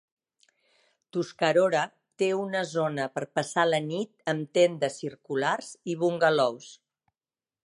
Tuscarora té una zona per passar la nit amb tendes circulars i bungalows.